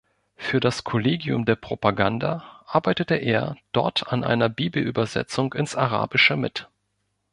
Für das Kollegium der Propaganda arbeitete er dort an einer Bibelübersetzung ins Arabische mit.